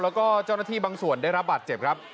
แล้วก็เจ้าหน้าที่บางส่วนได้รับบาดเจ็บครับ